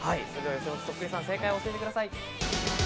予選落ちそっくりさん、正解を教えてください。